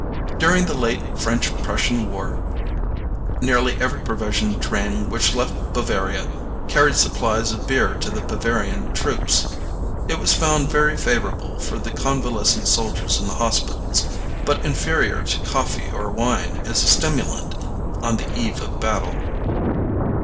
During the late French Prussian war nearly every provision train which left Bavaria carried supplies of beer to the Bavarian troops. It was found very favorable for the convalescent soldiers in the hospitals, but inferior to coffee or wine as a stimulant on the eve of battle.